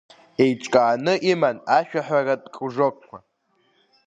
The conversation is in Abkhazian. Еиҿкааны иман ашәаҳәаратә кружокқәа.